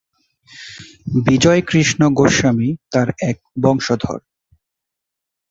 বিজয়কৃষ্ণ গোস্বামী তার এক বংশধর।